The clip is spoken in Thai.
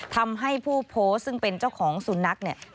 ทำให้ผู้โพสต์ซึ่งเป็นเจ้าของสุนัขเนี่ย